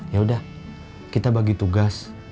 yaudah kita bagi tugas